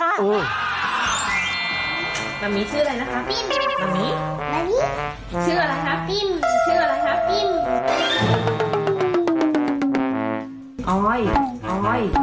มามิชื่ออะไรนะคะปิมมี่ปเราก็มามิมัมิชื่ออะไรคะปิมชื่ออะไรคะปิม